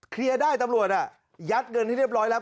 เคลียร์ได้ตำรวจอ่ะยัดเงินที่เรียบร้อยแล้ว